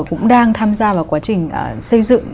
cũng đang tham gia vào quá trình xây dựng